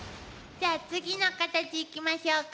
じゃあ次のカタチいきましょうか。